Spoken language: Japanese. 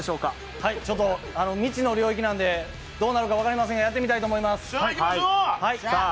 未知の領域なんで、どうなるか分かりませんけどやってみたいと思います。